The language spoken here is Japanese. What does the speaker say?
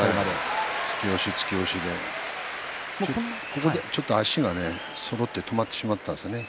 突き押し、突き押しでちょっと足がそろって止まってしまったんですね。